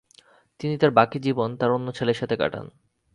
তিনি তার বাকি জীবন তার অন্য ছেলের সাথে কাটান।